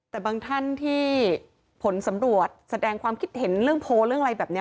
แต่บางท่านที่ผลสำรวจแสดงความคิดเห็นเรื่องโพลเรื่องอะไรแบบนี้